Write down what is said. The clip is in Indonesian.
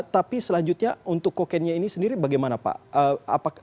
tapi selanjutnya untuk kokainnya ini sendiri bagaimana pak